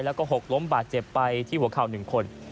แล้วก็หกล้มบาดเจ็บไปที่หัวเข่า๑คน